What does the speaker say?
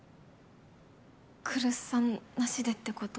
来栖さんなしでってこと？